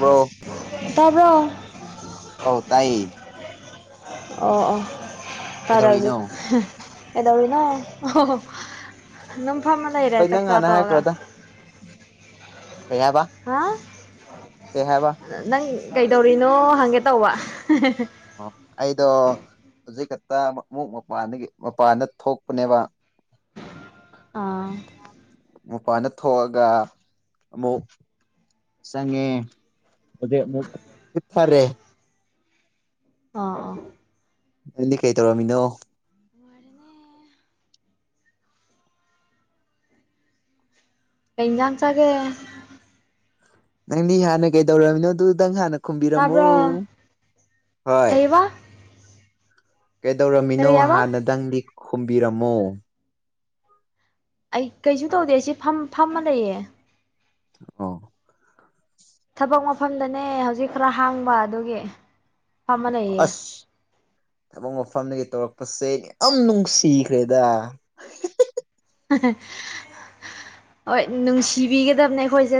꯭ꯔꯣ ꯇꯥꯕ꯭ꯔꯣ ꯑ ꯇꯥꯏ ꯑꯣ ꯑꯣ ꯐꯔ ꯀꯩꯗꯧꯔꯤꯅꯣ ꯍꯧꯖꯤꯛ ꯀꯩꯗꯧꯔꯤꯅꯣ ꯑꯣꯣ ꯑꯣ ꯑꯗꯨꯝꯐꯝꯃ ꯂꯩꯔꯦ ꯍꯣꯏ ꯅꯪ ꯆꯥꯛꯆꯥꯥ ꯍꯥꯟꯅ ꯇꯣꯛꯑꯒ ꯍꯥꯏꯈ꯭ꯔꯣꯗ ꯀꯩ ꯍꯥꯏꯕ ꯍꯥ ꯀꯩ ꯍꯥꯏꯕ ꯅꯪ ꯀꯩꯗꯧꯔꯤꯅꯣ ꯍꯪꯒꯦ ꯇꯧꯕ ꯑꯣ ꯑꯩꯗꯣ ꯍꯧꯖꯤꯛ ꯈꯛꯇ ꯑꯃꯨꯛ ꯃꯄꯥꯟꯗꯒꯤ ꯃꯄꯥꯟꯗ ꯊꯣꯛꯄꯅꯦꯕ ꯑ ꯃꯄꯥꯅ ꯊꯣꯛꯑꯒ ꯑꯃꯨꯛ ꯆꯉꯦ ꯑꯗꯨꯗꯛꯊꯔꯦ ꯑꯥ ꯑꯥ ꯅꯪꯗꯤ ꯀꯩ ꯇꯧꯔꯝꯃꯤꯅꯣ ꯑꯩ ꯉꯝꯆꯥꯒꯦ ꯅꯪꯗꯤ ꯍꯥꯟꯅ ꯀꯩꯗꯧꯔꯃꯤꯅꯣ ꯑꯗꯨ ꯅꯪ ꯍꯥꯟꯅ ꯈꯨꯝꯕꯤꯔꯝꯣ ꯇꯥꯕ꯭ꯔꯣ ꯍꯣꯏ ꯀꯩꯕ ꯀꯩꯗꯧꯔꯝꯃꯤꯅꯣ ꯀꯔꯤ ꯍꯥꯏꯕ ꯍꯥꯟꯅꯗꯪꯗꯤ ꯈꯨꯝꯕꯤꯔꯝꯃꯣ ꯑꯩ ꯀꯩꯁꯨ ꯇꯧꯗꯦ ꯁꯤ ꯐꯝꯃ ꯂꯩꯌꯦ ꯑ ꯊꯕꯛ ꯃꯐꯝꯗꯅꯦ ꯍꯧꯖꯤꯛ ꯈꯔ ꯍꯥꯡꯕ ꯑꯗꯨꯒꯤ ꯐ ꯑꯃ ꯂꯩꯌꯦ ꯑꯁ ꯊꯕꯛ ꯃꯐꯝꯗꯒꯤ ꯇꯧꯔꯛꯄꯁꯦ ꯌꯥꯝ ꯅꯨꯡꯁꯤꯈ꯭ꯔꯦꯗ ꯍꯣꯏ ꯅꯨꯡꯁꯤꯕꯤꯒꯗꯕꯅꯦ ꯑꯩꯈꯣꯏꯁꯦ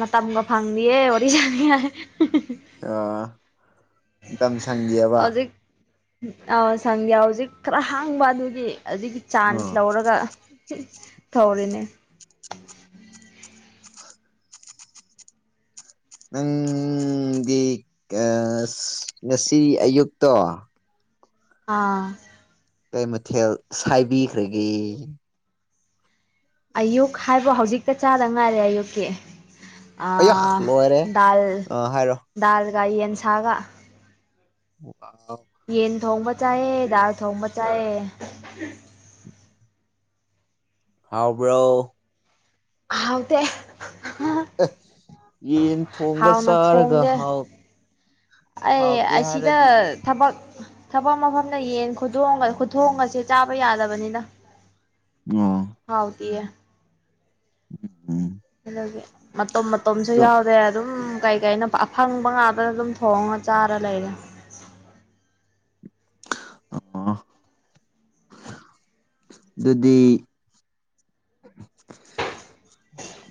ꯃꯇꯝꯒ ꯐꯪꯗꯌꯦꯦ ꯋꯥꯔꯤ ꯆꯅꯤ ꯑ ꯅꯤꯡꯇ ꯁꯪꯒꯤꯑꯕ ꯍꯧꯖꯤꯛ ꯑ ꯁꯪꯗ꯭ ꯍꯧꯖꯤꯛ ꯈꯔ ꯍꯥꯡꯕ ꯑꯗꯨꯒꯤ ꯑꯗꯨꯒꯤ ꯆꯥꯟꯁ ꯑꯥ ꯂꯧꯔꯒ ꯊꯧꯔꯤꯅꯦ ꯅꯪꯗꯤ ꯉꯁꯤ ꯑꯌꯨꯛꯇꯣ ꯑꯥ ꯀꯩ ꯃꯊꯦꯜ ꯁꯥꯏꯕꯤꯈ꯭ꯔꯒꯦ ꯑꯌꯨꯛ ꯍꯥꯏꯕꯣ ꯍꯧꯖꯤꯛꯇ ꯆꯥꯗ ꯉꯥꯏꯔꯦ ꯑꯌꯨꯛꯀꯤ ꯑ ꯑꯌꯥ ꯂꯣꯏꯔꯦ ꯗꯗꯥꯥꯜ ꯑꯥ ꯍꯥꯏꯔꯣ ꯗꯗꯥꯥꯜ ꯀꯥꯏ ꯌꯦꯟ ꯁꯒ ꯌꯦꯟ ꯊꯣꯡꯕ ꯆꯥꯏ ꯜ ꯊꯣꯡꯕ ꯆꯥꯏ ꯍꯥꯎꯕ꯭ꯔꯣ ꯍꯥꯎꯗꯦ ꯌꯦꯟ ꯊꯣꯡꯕ ꯍꯥꯎꯅ ꯆꯥꯔꯒ ꯊꯣꯡꯗꯦ ꯍꯥꯎ ꯑꯩ ꯍꯥꯎꯇꯦ ꯑꯁꯤꯗ ꯍꯥꯏꯔꯗꯤ ꯊꯕꯛ ꯊꯕꯛ ꯃꯐꯝꯗ ꯌꯦꯟ ꯈꯨꯊꯣꯡꯒꯁꯦ ꯆꯥꯕ ꯌꯥꯗꯕꯅꯤꯅ ꯑꯣ ꯍꯥꯎꯗꯤꯌꯦ ꯎꯝ ꯃꯇꯣꯝ ꯃꯇꯣꯝꯁꯨ ꯑꯗꯣ ꯌꯥꯎꯔꯦ ꯑꯗꯨꯝ ꯀꯩ ꯀꯩꯅꯣ ꯑꯐꯪꯕ ꯉꯥꯇꯅ ꯑꯗꯨꯝ ꯊꯣꯡꯉ ꯆꯥꯔ ꯂꯩꯔꯦ ꯑ ꯑꯗꯨꯗꯤ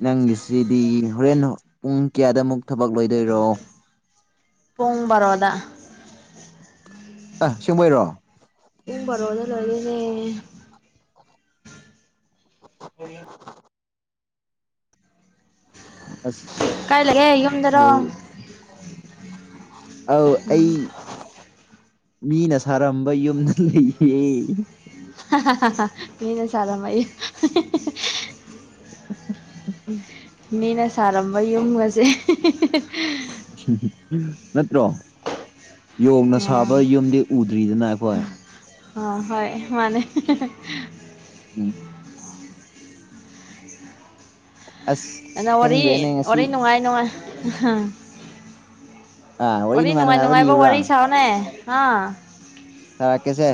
ꯅꯪꯒꯤꯁꯤꯗꯤ ꯍꯣꯔꯦꯟ ꯄꯨꯡ ꯀꯌꯥꯗꯃꯨꯛ ꯊꯕꯛ ꯂꯣꯏꯗꯣꯏꯔꯣ ꯄꯣꯨꯡꯕꯔꯣꯗ ꯑ ꯁꯤꯕꯩꯔꯣ ꯎꯕ ꯔꯣꯗ ꯂꯦꯅꯦ ꯍ ꯑꯁ ꯀꯥꯏ ꯂꯩꯛꯑꯦ ꯌꯨꯝꯗꯔꯣ ꯑ ꯎꯝ ꯑꯩ ꯃꯤꯅ ꯁꯥꯔꯝꯕ ꯌꯨꯝꯗ ꯂꯩꯌꯦ ꯃꯤꯅꯦ ꯆꯂ ꯃꯌ ꯎ ꯎ ꯎꯝ ꯃꯤꯅ ꯁꯥꯔꯝꯕ ꯌꯨꯝ ꯑꯁꯦ ꯅꯠꯇ꯭ꯔꯣ ꯌꯣꯡꯅ ꯎꯝ ꯁꯥꯕ ꯌꯨꯝꯗꯤ ꯎꯗ꯭ꯔꯤꯗꯅ ꯑꯩꯈꯣꯏ ꯑ ꯍꯣꯏ ꯃꯥꯅꯦ ꯎꯝ ꯑꯁ ꯑ ꯑꯣꯔ ꯈꯪꯗ꯭ꯔꯦꯅꯦ ꯑꯣꯔ ꯉꯁꯤ ꯅꯨꯡꯉꯥꯏ ꯅꯨꯡꯉꯥꯏ ꯑꯥ ꯋꯥꯔꯤ ꯋꯥꯔꯤꯅꯤ ꯅꯨꯡꯉꯥꯏ ꯅꯨꯡꯉꯥꯏꯕ ꯂꯤꯌꯨꯔꯥ ꯋꯥꯔꯤꯔꯤ ꯆꯥꯎꯅꯦ ꯑ ꯁꯥꯔꯛꯀꯦꯁꯦ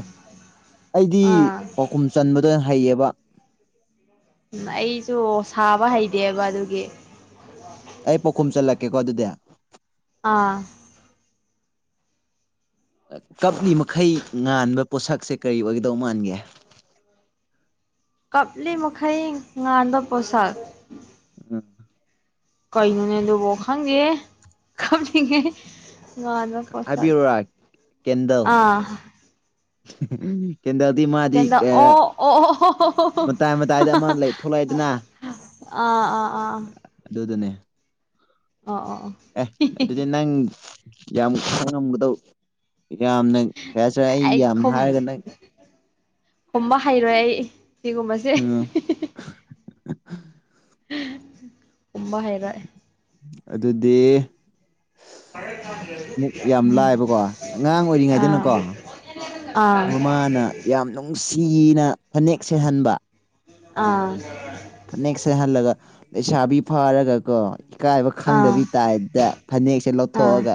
ꯑꯩꯗꯤ ꯑꯥ ꯄꯥꯎꯈꯨꯝ ꯆꯟꯕꯗ ꯑꯣꯏꯅ ꯍꯩꯌꯦꯕ ꯎꯝ ꯑꯩꯁꯨ ꯁꯥꯕ ꯍꯩꯇꯦꯕ ꯑꯗꯨꯒꯤ ꯑꯩ ꯄꯥꯎꯈꯨꯝ ꯆꯠꯂꯛꯀꯦꯀꯣ ꯑꯗꯨꯗꯤ ꯑꯥ ꯀꯞꯅꯤ ꯃꯈꯩ ꯉꯥꯟꯕ ꯄꯣꯠꯁꯛꯁꯦ ꯀꯔꯤ ꯑꯣꯏꯒꯗꯧ ꯃꯥꯟꯒꯦ ꯎ ꯀꯞꯂꯤ ꯃꯈꯈꯥꯏ ꯉꯥꯟꯗ ꯄꯣꯁꯥꯛ ꯎꯝ ꯀꯩꯅ‌ꯣꯅꯦ ꯑꯗꯨꯕꯣ ꯈꯥꯡꯗ‌ꯦꯍ‌ꯦ ꯈꯪꯅꯤꯡꯉ‌ꯦ ꯋꯥꯅ ꯄꯣꯁ ꯍꯥꯏꯕꯤꯌꯨꯔꯥ ꯑꯥ ꯎꯝ ꯀꯦꯟꯗꯜꯗꯤ ꯃꯥꯗꯤ ꯀꯦꯟꯗ ꯑꯣ ꯑꯣ ꯑꯣ ꯃꯇꯥꯏ ꯃꯇꯥꯏꯗ ꯑꯃ ꯂꯩ ꯊꯣꯛꯂꯛꯑꯏꯗꯅ ꯑꯥ ꯑꯥ ꯑꯥ ꯑꯥ ꯑꯗꯨꯅꯦ ꯑꯣ ꯑꯣ ꯑ‌ꯦ ꯑꯗꯨꯗꯤ ꯅꯪ ꯌꯥꯝ ꯈꯉꯝꯕꯗ‌ꯣ ꯌꯥꯝꯅ ꯐꯁꯤꯔꯦ ꯑꯩ ꯌꯥꯝ ꯍꯥꯏꯔꯒ ꯅꯪ ꯈꯨꯝꯕ ꯍꯩꯔꯣꯏ ꯑꯩ ꯁꯤꯒꯨꯝꯕꯁꯦ ꯎꯝ ꯑꯣꯝꯕ ꯍꯥꯏꯔ ꯑꯗꯨꯗꯤ ꯑꯃꯨꯛ ꯌꯥꯝ ꯂꯥꯏꯕꯀꯣ ꯑꯉꯥꯡ ꯑꯥ ꯑꯣꯏꯔꯤꯉꯩꯗꯅꯀꯣ ꯑꯥ ꯃꯃꯥꯅ ꯅ ꯌꯥꯝ ꯅꯨꯡꯁꯤꯅ ꯐꯅꯦꯛ ꯁꯦꯍꯟꯕ ꯑꯥ ꯐꯅꯦꯛꯁꯦꯍꯜꯂꯒ ꯂꯩꯁꯥꯕꯤ ꯐꯥꯔꯒ ꯀꯣ ꯏꯀꯥꯏꯕ ꯑꯥ ꯈꯪꯗꯕꯤ ꯇꯥꯏꯗ ꯐꯅꯦꯛꯁꯦ ꯑꯥ ꯂꯧꯊꯣꯛꯑꯒ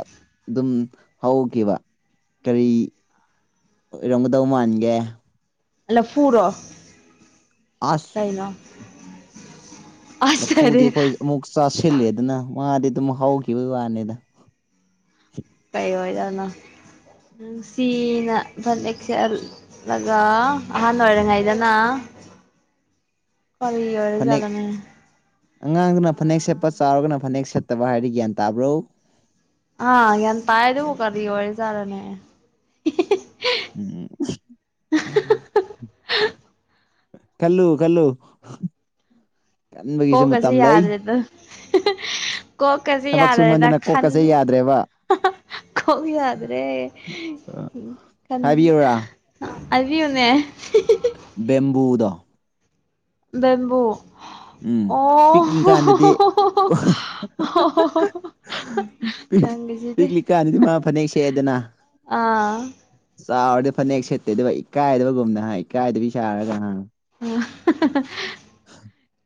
ꯑꯗꯨꯝ ꯍꯧꯈꯤꯕ ꯀꯔꯤ ꯑꯣꯏꯔꯝꯒꯗꯧ ꯃꯥꯟꯒꯦ ꯂꯐꯨꯔꯣ ꯑꯁ ꯀꯩꯅꯣ ꯑꯁ ꯂꯐꯨꯗꯤ ꯀꯔꯤ ꯑꯩꯈꯣꯏ ꯑꯃꯨꯛ ꯆꯥꯁꯤꯂꯦꯗꯅ ꯃꯗꯤ ꯑꯗꯨꯝ ꯍꯧꯈꯤꯕꯒꯤ ꯋꯥꯅꯤꯗ [unintelligible] ꯅꯨꯡꯁꯤꯅ ꯐꯅꯦꯛꯁ‌ꯦꯠꯂꯒ ꯑꯍꯥꯟ ꯑꯣꯏꯔꯤꯉꯩꯗꯅ ꯀꯔꯤ ꯑꯣꯏꯔ ꯐꯅꯦꯛ ꯖꯠꯅꯣꯅꯦ ꯑꯉꯥꯡꯗꯨꯅ ꯐꯅꯦꯛ ꯁꯦꯠꯄ ꯆꯥꯎꯔꯒꯅ ꯐꯅꯦꯛ ꯁꯦꯠꯇꯕ ꯍꯥꯏꯔꯗꯤ ꯒ꯭ꯌꯥꯟ ꯇꯥꯕ꯭ꯔꯣ ꯑꯥ ꯒꯌꯥꯟ ꯇꯥꯏ ꯑꯗꯕꯨ ꯀꯔꯤ ꯑꯣꯏꯔꯤ ꯖꯠꯅꯣꯅꯦ [unintelligible] ꯈꯜꯂꯨ ꯈꯜꯂꯨ ꯀꯣꯛ ꯈꯟꯕꯒꯤꯁꯨ ꯀꯁꯤ ꯃꯇꯝ ꯂꯩ ꯌꯥꯗ‍‍꯭ꯔ‌ꯦꯗ ꯀꯣꯛꯀꯁꯤ ꯊꯕꯛ ꯌꯥꯔꯦꯗ ꯁꯨꯃꯟꯗꯅ ꯈꯟ ꯀꯣꯛꯀꯁꯦ ꯌꯥꯗ꯭ꯔꯦꯕ ꯀꯣꯛ ꯌꯥꯗ꯭ꯔꯦ ꯈꯟ ꯍꯥꯏꯕꯤꯌꯨꯔꯥ ꯍꯥꯏꯕꯤꯌꯨꯅꯦ ꯕꯦꯝꯕꯨꯗꯣ ꯕꯦꯝꯕꯨ ꯎꯝ ꯑꯣ ꯄꯤꯛꯂꯤꯀꯥꯟꯗꯗꯤ ꯅꯪꯒꯤꯁꯤꯗꯤ ꯄꯤꯛꯂꯤꯀꯟꯗꯗꯤ ꯃꯥ ꯐꯅꯦꯛ ꯁꯦꯑꯦꯗꯅ ꯑꯥ ꯆꯥꯎꯔꯗꯤ ꯐꯅꯦꯛ ꯁꯦꯠꯇꯦꯗꯕ ꯏꯀꯥꯏꯗꯕꯒꯨꯝꯅꯍ ꯏꯀꯥꯏꯗꯕꯤ ꯁꯥꯔꯒ ꯍꯥ ꯎ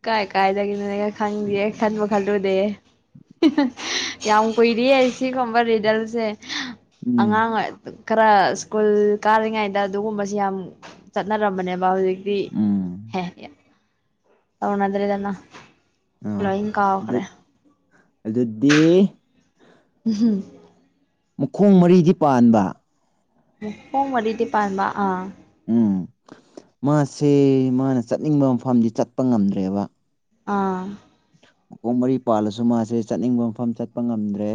ꯀꯥꯏ ꯀꯥꯏꯗꯒꯤꯅꯣꯅ‌ꯦꯍ‌ꯦ ꯈꯪꯗꯦ ꯈꯟꯕ ꯈꯜꯂꯨꯗꯦꯍ‌ꯦ ꯌꯥꯝ ꯀꯨꯏꯔꯤ ꯁꯤꯒꯨꯝꯕ ꯔꯤꯗꯜꯁꯦ ꯎꯝ ꯑꯉꯥꯡ ꯑꯣꯏ ꯑꯗꯨꯝ ꯈꯔ ꯁ꯭ꯀꯨꯜ ꯀꯥꯔꯤꯉꯩꯗ ꯑꯗꯨꯒꯨꯝꯕꯁꯤ ꯌꯥꯝ ꯆꯠꯅꯔꯝꯕꯅꯦꯕ ꯍꯧꯖꯤꯛ ꯗꯤ ꯎꯝ [unintelligible] ꯇꯧꯅꯗꯔꯦꯗꯅ ꯑꯣ ꯂꯣꯏꯟ ꯑꯗꯨ ꯀꯧꯈ꯭ꯔꯦ ꯑꯗꯨꯗꯤ [unintelligible] ꯃꯈꯣꯡ ꯃꯔꯤꯗꯤ ꯄꯥꯟꯕ ꯃꯈꯣꯡ ꯃꯔꯤꯗꯤ ꯄꯥꯟꯕ ꯑ ꯎꯝ ꯃꯥꯁꯦ ꯃꯥꯅ ꯆꯠꯅꯤꯡꯕ ꯃꯐꯝꯗꯤ ꯆꯠꯄ ꯉꯝꯗ꯭ꯔꯦꯕ ꯑꯥ ꯃꯈꯣꯡ ꯃꯔꯤ ꯄꯥꯜꯂꯁꯨ ꯃꯥꯁꯦ ꯆꯠꯅꯤꯡꯕ ꯃꯐꯝ ꯆꯠꯄ ꯉꯝꯗ꯭ꯔꯦ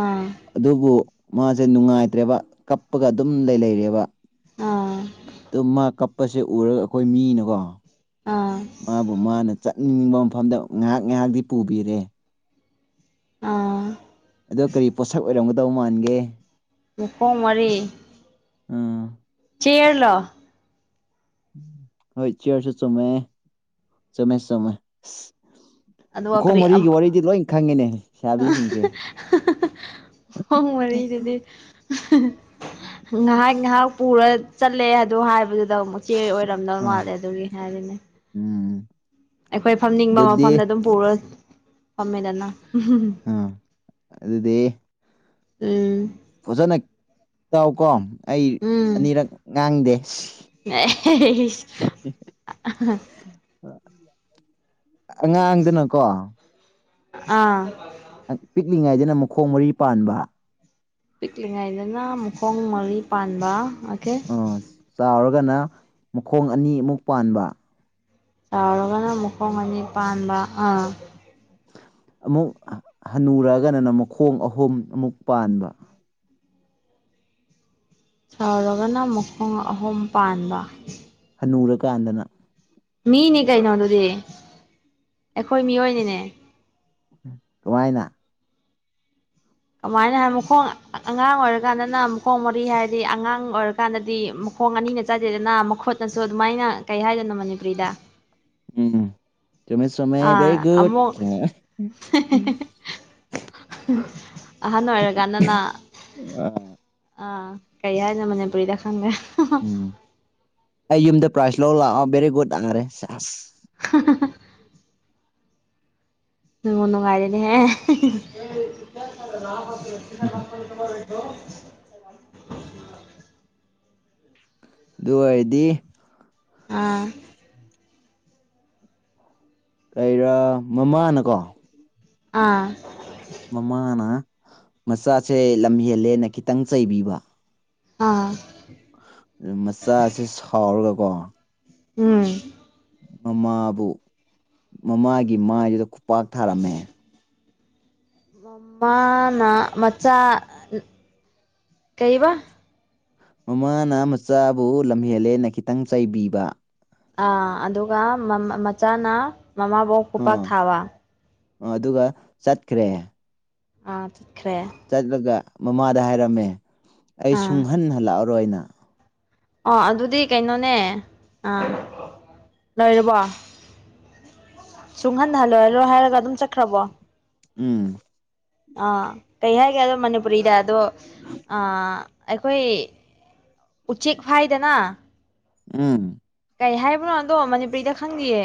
ꯑꯥ ꯑꯗꯨꯕꯨ ꯃꯥꯁꯦ ꯅꯨꯡꯉꯥꯏꯇ꯭ꯔꯦꯕ ꯀꯞꯄꯒ ꯑꯗꯨꯝ ꯂꯩ ꯂꯩꯔꯦꯕ ꯑꯥ ꯑꯗꯨꯝ ꯃꯥ ꯀꯞꯄꯁꯦ ꯎꯔꯒ ꯑꯩꯈꯣꯏ ꯃꯤꯅꯀꯣ ꯑꯥ ꯃꯥꯕꯨ ꯃꯥꯅ ꯆꯠ ꯅꯤꯡꯅꯤꯡꯕ ꯃꯐꯝꯗ ꯉꯥꯏꯍꯥꯛ ꯉꯥꯏꯍꯥꯛꯇꯤ ꯄꯨꯕꯤꯔꯦ ꯑꯥ ꯑꯗꯣ ꯀꯔꯤ ꯄꯣꯠꯁꯛ ꯑꯣꯏꯔꯝꯒꯗꯧ ꯃꯥꯟꯒꯦ ꯃꯈꯣꯡ ꯃꯔꯤ ꯑꯥ ꯆꯤꯌꯥꯂꯣ ꯍꯣꯏ ꯆꯦꯔꯁꯨ ꯆꯨꯝꯃꯦ ꯆꯨꯝꯃꯦ ꯆꯨꯝꯃꯦ ꯑꯗꯨꯒ ꯃꯈꯣꯡ ꯀꯔꯤ ꯃꯔꯤꯒꯤ ꯋꯥꯔꯤꯗꯤ ꯂꯣꯏ ꯈꯪꯉꯦꯅꯦ ꯂꯩꯁꯥꯥꯕꯤꯁꯤꯡꯁꯦ ꯃꯈꯣꯡ ꯃꯔꯤꯗꯨꯗꯤ ꯉꯥꯏꯍꯥꯛ ꯉꯥꯏꯍꯥꯛ ꯄꯨꯔ ꯆꯠꯂꯦ ꯑꯗꯣ ꯍꯥꯏꯕꯗꯨ ꯗꯛꯆꯦ ꯑꯣꯏꯔꯝꯗꯧ ꯑꯥ ꯃꯥꯜꯂꯦ ꯑꯗꯨꯒꯤ ꯍꯥꯏꯔꯤꯅꯦ ꯎꯝ ꯑꯩꯈꯣꯏ ꯐꯝꯅꯤꯡꯕ ꯑꯗꯨꯗꯤ ꯃꯐꯝꯗ ꯑꯗꯨꯝ ꯄꯨꯔ ꯐꯝꯃꯦꯗꯅ ꯑ ꯑꯗꯨꯗꯤ ꯎꯝ ꯐꯖꯅ ꯇꯥꯎ ꯀꯣ ꯑꯩ ꯑꯅꯤꯔꯛ ꯉꯥꯡꯗꯦ ꯑ ꯑꯉꯥꯡꯗꯅꯀꯣ ꯑꯥ ꯄꯤꯛꯂꯤꯉꯩꯗꯅ ꯃꯈꯣꯡ ꯃꯔꯤ ꯄꯥꯟꯕ ꯄꯤꯛꯂꯤꯉꯥꯏꯗꯅ ꯃꯈꯣꯡ ꯃꯔꯤ ꯄꯥꯟꯕ ꯑꯣꯀꯦ ꯑꯥ ꯆꯥꯎꯔꯒꯅ ꯃꯈꯣꯡ ꯑꯅꯤꯃꯨꯛ ꯄꯥꯟꯕ ꯆꯥꯎꯔꯒꯅ ꯃꯈꯨꯡ ꯑꯅꯤ ꯄꯥꯟꯕ ꯑꯥ ꯑꯃꯨꯛ ꯍꯟꯅꯨꯔꯑꯒꯅꯅ ꯃꯈꯣꯡ ꯑꯍꯨꯝ ꯑꯃꯨꯛ ꯄꯥꯟꯕ ꯁꯥꯎꯔꯒꯅ ꯃꯈꯣꯡ ꯑꯍꯨꯝ ꯄꯥꯟꯕ ꯅꯨꯔ ꯀ ꯍꯥꯏꯗꯅ ꯃꯤꯅꯤ ꯀꯩꯅꯣꯗꯨꯗꯤ ꯑꯩꯈꯣꯏ ꯃꯤꯑꯣꯏꯅꯤꯅꯦ ꯀꯃꯥꯏꯅ ꯀꯃꯥꯏꯅ ꯍꯥꯏ ꯃꯈꯣꯡ ꯑꯉꯥꯡ ꯑꯣꯏꯔꯀꯥꯟꯗꯅ ꯃꯈꯣꯡ ꯃꯔꯤ ꯍꯥꯏꯔꯗꯤ ꯑꯉꯥꯡ ꯑꯣꯏꯔꯀꯥꯟꯗꯗꯤ ꯈꯣꯡ ꯑꯅꯤꯅ ꯆꯥꯗꯦꯗꯅ ꯃꯈꯨꯠꯅꯁꯨ ꯑꯗꯨꯃꯥꯏꯅ ꯀꯩ ꯍꯥꯏꯗꯣꯏꯅꯣ ꯃꯅꯤꯄꯨꯔꯤꯗ ꯎꯝ ꯆꯨꯝꯃꯦ ꯆꯨꯝꯃꯦ ꯕꯦꯔꯤ ꯑꯥ ꯒꯨꯗ ꯑꯃꯨꯛ ꯑꯍꯅ ꯑꯣꯏꯔ ꯀꯥꯟꯅꯅ ꯑꯥ ꯀꯔꯤꯌꯥꯅ ꯃꯅꯦ ꯄꯨꯨꯔꯤꯗ ꯈꯪꯒꯦ ꯎꯝ ꯑꯩ ꯌꯨꯝꯗ ꯄ꯭ꯔꯥꯏꯖ ꯂꯧ ꯂꯥꯛꯑꯣ ꯕꯦꯔꯤ ꯒꯨꯗ ꯑꯥꯔꯦ ꯑꯁ ꯍꯍꯍ ꯎꯉ ꯅꯨꯡꯉꯥꯏꯗꯅꯦ ꯍꯦ ꯀꯣ ꯑꯗꯨ ꯑꯣꯏꯗꯤ ꯑꯥ ꯀꯩꯔꯥ ꯃꯃꯥꯅꯀꯣ ꯑꯥ ꯃꯃꯥꯅ ꯃꯆꯥꯁꯦ ꯂꯝ ꯍꯦꯜꯂꯦꯅ ꯈꯤꯇꯪ ꯆꯩꯕꯤꯕ ꯑꯥ ꯑꯗꯨ ꯃꯆꯥꯁꯤ ꯁꯥꯎꯔꯒꯀꯣ ꯎꯝ ꯃꯃꯥꯕꯨ ꯃꯃꯥꯒꯤ ꯃꯥꯏꯗꯨꯗ ꯈꯨꯄꯥꯛ ꯊꯥꯔꯝꯃꯦ ꯃꯥꯅ ꯃꯆꯥ ꯀꯩꯕ ꯃꯃꯥꯅ ꯃꯆꯥꯕꯨ ꯂꯝꯍꯦꯜꯂꯦꯅ ꯈꯤꯇꯪ ꯆꯩꯥꯏꯕꯤꯕ ꯑꯥ ꯑꯗꯨꯒ ꯃꯆꯥꯅ ꯃꯃꯥꯕꯣꯛ ꯄꯨꯄꯥꯛ ꯑꯥ ꯊꯥꯕ ꯑꯗꯨꯒ ꯆꯠꯈ꯭ꯔꯦ ꯑꯥ ꯆꯠꯈ꯭ꯔꯦ ꯆꯠꯂꯒ ꯃꯃꯥꯗ ꯍꯥꯏꯔꯝꯃꯦ ꯑꯩ ꯁꯨꯡꯍꯟ ꯍꯜꯂꯛꯑꯔꯣꯏꯅ ꯑꯣ ꯑꯗꯨꯗꯤ ꯀꯩꯅꯣꯅꯦ ꯑꯥ ꯂꯣꯏꯔꯕꯣ ꯁꯨꯡꯍꯟꯍꯜꯂꯣꯏꯍꯜꯂꯣꯏ ꯍꯥꯏꯔꯒ ꯑꯗꯨꯝ ꯆꯠꯈ꯭ꯔꯕꯣ ꯎꯝ ꯑ ꯀꯩ ꯍꯥꯏꯒꯦ ꯑꯗꯣ ꯃꯅꯤꯄꯨꯔꯤꯗ ꯑꯗꯣ ꯑ ꯑꯩꯈꯣꯏ ꯎꯆꯦꯛ ꯐꯥꯏꯗꯅ ꯎꯝ ꯀꯩ ꯍꯥꯏꯕꯅꯣ ꯑꯗꯣ ꯃꯅꯤꯄꯨꯔꯤꯗ ꯈꯪꯈꯤꯌꯦ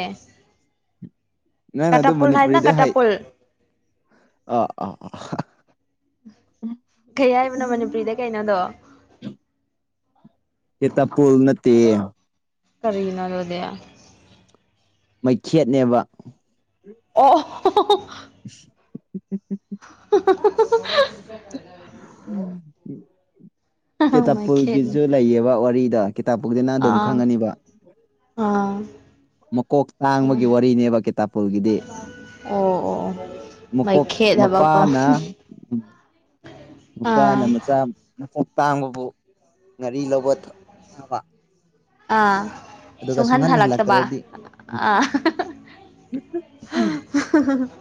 ꯅꯪꯅ ꯀꯇꯥ ꯑꯗꯨ ꯄꯜ ꯍꯥꯏꯅ ꯃꯅꯤꯄꯨꯔꯤꯗ ꯀꯥꯇꯥ ꯍꯥꯏ ꯄꯣꯜ ꯑꯥ ꯑꯥ ꯑ ꯀꯩ ꯍꯥꯏꯕꯅꯣ ꯃꯅꯤꯄꯨꯔꯤꯗ ꯀꯩꯅꯣꯗꯣ ꯌꯦꯦ ꯇ ꯄꯨꯨꯜ ꯅ ꯀꯔꯤꯅꯔꯣꯗꯨꯗꯤ ꯃꯩꯈꯦꯠꯅꯦꯕ ꯑꯣ ꯎꯝ ꯃꯩꯈꯦꯠꯅꯤ ꯀꯦꯇꯄꯨꯔꯒꯤꯁꯨ ꯂꯩꯌꯦꯕ ꯋꯥꯔꯤ ꯀꯤꯇꯥꯞꯄꯗꯤꯅ ꯑꯗꯨꯝ ꯑꯥ ꯈꯪꯉꯅꯤꯕ ꯑꯥ ꯃꯀꯣꯛ ꯑꯣ ꯇꯥꯡꯕꯒꯤ ꯋꯥꯔꯤꯅꯦꯕ ꯀꯦꯇꯥꯄꯨꯜꯒꯤꯗꯤ ꯑꯣ ꯃꯀꯣꯛ ꯃꯩꯈꯦꯠ ꯍꯥꯏꯕꯀꯣ ꯃꯄꯥꯅ ꯑꯥ ꯅꯨꯄꯥꯅ ꯃꯆꯥ ꯃꯀꯣꯛ ꯇꯥꯡꯕꯕꯨ ꯉꯥꯔꯤ ꯂꯧꯕ ꯊꯥꯕ ꯑꯥ ꯑꯗꯨꯒ ꯁꯨꯡꯍꯟ ꯍꯜꯂꯛꯇ꯭ꯔꯗꯤ ꯑ ꯍ ꯑꯥ ꯎ ꯎꯝ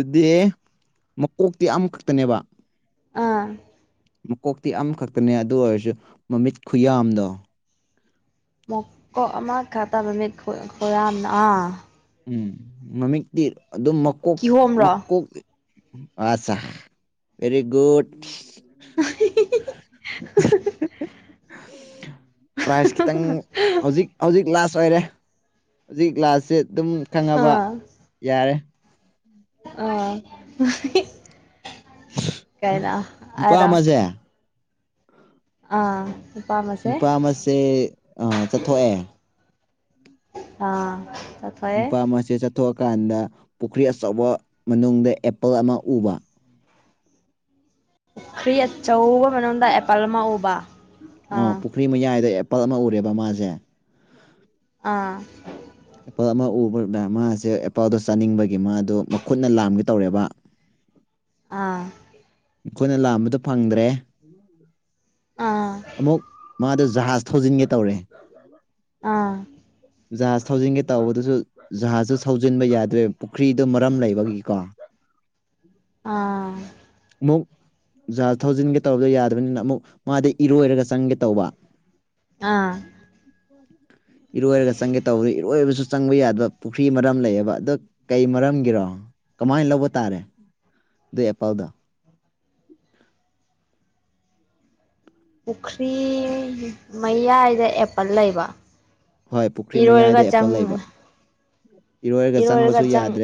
ꯑꯗꯨꯗꯤ ꯃꯀꯣꯛꯇꯤ ꯑꯃꯈꯛꯇꯅꯦꯕ ꯑꯥ ꯀꯣꯛꯇꯤ ꯑꯃꯈꯛꯇꯅꯦ ꯑꯗꯨ ꯑꯣꯏꯔꯁꯨ ꯃꯃꯤꯠ ꯈꯨꯌꯥꯗꯣ ꯃꯀꯣ ꯑꯃ ꯈꯥꯇꯕꯃꯤꯠ ꯈꯔꯝꯅ ꯎꯝ ꯃꯃꯤꯛꯇꯤ ꯑꯗꯨꯝ ꯃꯀꯣꯛ ꯀꯤꯍꯣꯝꯔꯣ ꯃꯀꯣꯛ ꯑꯆꯥ ꯦꯔꯤꯒꯨꯠ [unintelligible] ꯄ꯭ꯔꯥꯏꯖ ꯈꯤꯇꯪ ꯍꯧꯖꯤꯛ ꯍꯧꯖꯤꯛ ꯂꯥꯁ ꯁꯣꯏꯔꯦ ꯍꯧꯖꯤꯛ ꯂꯥꯁꯁꯦ ꯑꯗꯨꯝ ꯈꯪꯉꯕ ꯌꯥꯔꯦ ꯑ ꯀꯥꯏꯅ ꯅꯨꯄꯥ ꯑꯔ ꯑꯃꯁꯦ ꯑꯥ ꯅꯨꯄꯥ ꯑꯃꯁꯁꯦ ꯆꯠꯊꯣꯛꯑꯦ ꯑꯥ ꯆꯠꯊꯣꯛꯑꯦ ꯅꯨꯄꯥ ꯃꯁꯦ ꯆꯠꯊꯣꯛꯑ ꯀꯥꯟꯗ ꯄꯨꯈ꯭ꯔꯤ ꯑꯆꯧꯕ ꯃꯅꯨꯡꯗ ꯑꯦꯄꯜ ꯑꯃ ꯎꯕ ꯄꯨꯈ꯭ꯔꯤ ꯑꯆꯧꯕ ꯃꯅꯨꯡꯗ ꯑꯦꯄꯜ ꯑꯃ ꯎꯕ ꯑꯣ ꯑꯥ ꯄꯨꯈ꯭ꯔꯤ ꯃꯌꯥꯏꯗꯣ ꯑꯦꯄꯜ ꯑꯃ ꯎꯔꯦꯕ ꯃꯥꯁꯦ ꯑꯥ ꯑꯦꯄꯥꯜ ꯑꯃ ꯎꯕꯗ ꯃꯥꯁꯦ ꯑꯦꯄꯥꯜꯗꯣ ꯆꯥꯅꯤꯡꯕꯒꯤ ꯃꯥꯗꯣ ꯃꯈꯨꯠꯅ ꯂꯥꯝꯒꯦ ꯇꯧꯔꯦꯕ [inaudible] ꯑꯥ ꯑꯩꯈꯣꯏꯅ ꯂꯥꯝꯕꯗ ꯐꯪꯗ꯭ꯔꯦ ꯑꯥ ꯑꯃꯨꯛ ꯃꯥꯗ ꯖꯍꯥꯖ ꯊꯧꯖꯤꯟꯒꯦ ꯇꯧꯔꯦ ꯑꯥ ꯖꯍꯥꯖ ꯊꯧꯖꯤꯟꯒꯦ ꯇꯧꯕꯗꯨꯁꯨ ꯖꯍꯥꯖꯁꯨ ꯊꯧꯖꯤꯟꯕ ꯌꯥꯗ꯭ꯔꯦꯕ ꯄꯨꯈ꯭ꯔꯤꯗꯨ ꯃꯔꯝ ꯂꯩꯕꯒꯤꯀꯣ [inaudible] ꯑꯥ ꯑꯃꯨꯛ ꯖꯥ ꯊꯧꯖꯤꯟꯒꯦ ꯇꯧꯕꯗꯣ ꯌꯥꯗꯕꯅꯤꯅ ꯑꯃꯨꯛ ꯃꯥꯗ ꯏꯔꯣꯏꯔꯒ ꯆꯪꯒꯦ ꯇꯧꯕ ꯑꯥ ꯏꯔꯣꯏꯔꯒ ꯆꯪꯒꯦ ꯇꯧꯕꯗ ꯏꯔꯣꯏꯕꯁꯨ ꯆꯪꯕ ꯌꯥꯗꯕ ꯄꯨꯈ꯭ꯔꯤ ꯃꯔꯝ ꯂꯩꯌꯦꯕ ꯑꯗꯣ ꯀꯩ ꯃꯔꯝꯒꯤꯔꯣ ꯀꯃꯥꯏꯅ ꯂꯧꯕ ꯇꯥꯔꯦ ꯗ ꯑꯦꯄꯥꯎꯗꯥ ꯄꯨꯈ꯭ꯔꯤ ꯃꯌꯥꯏꯗ ꯑꯦꯄꯜ ꯂꯩꯕ ꯍꯣꯏ ꯄꯨꯈ꯭ꯔꯤ ꯏꯔꯔꯒ ꯃꯌꯥꯏꯗ ꯑꯦꯄꯜ ꯆꯪ ꯂꯩꯕ ꯏꯔꯣꯏꯔꯒ ꯆꯪꯕꯁꯨ ꯌꯥꯗ꯭ꯔꯦ